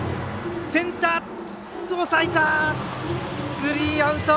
スリーアウト！